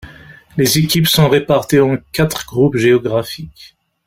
Les équipes sont réparties en quatre groupes géographiques.